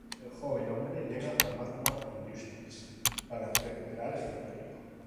El joven hombre llega a "Magma Industries", para recuperar el prototipo.